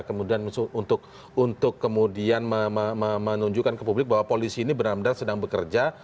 kemudian untuk kemudian menunjukkan ke publik bahwa polisi ini benar benar sedang bekerja